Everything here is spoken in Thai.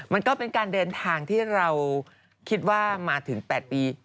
มันก็เป็นการเดินทางที่เราคิดว่ามาถึง๘ปี